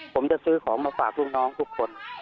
ผมจะซื้อของมาฝากลูกน้องทุกคน